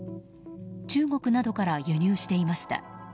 中国などから輸入していました。